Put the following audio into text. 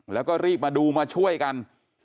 แล้วก็รีบมาดูมาช่วยกัน